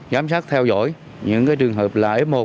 giám sát theo dõi những trường hợp là f một